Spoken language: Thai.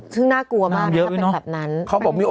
ซึ่งน่ากลัวมากถ้าเป็นแบบนั้น